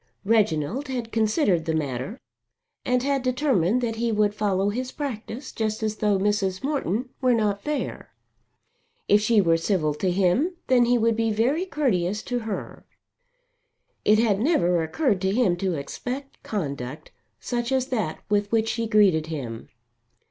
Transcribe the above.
Reginald had considered the matter and had determined that he would follow his practice just as though Mrs. Morton were not there. If she were civil to him then would he be very courteous to her. It had never occurred to him to expect conduct such as that with which she greeted him.